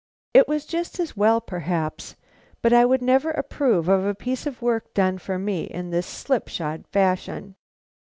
It was just as well, perhaps, but I would never approve of a piece of work done for me in this slipshod fashion.